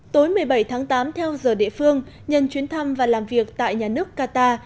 tối một mươi bảy tháng tám theo giờ địa phương nhân chuyến thăm và làm việc tại nhà nước qatar